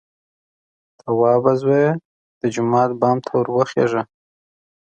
_توابه زويه! د جومات بام ته ور وخېژه!